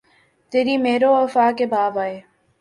تیری مہر و وفا کے باب آئے